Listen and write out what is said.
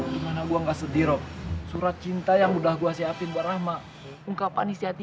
gimana gua nggak sedih rok surat cinta yang udah gua siapin warahmat ungkapan isi hati